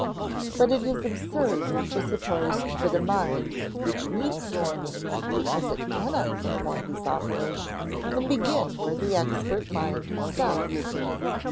But it is absurd to suppose that a mind which needs training because it cannot perform these operations can begin where the expert mind stops.